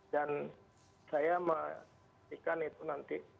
dan saya menjelaskan itu nanti